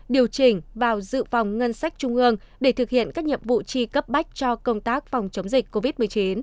điều chỉnh vào dự phòng ngân sách trung ương để thực hiện các nhiệm vụ chi cấp bách cho công tác phòng chống dịch covid một mươi chín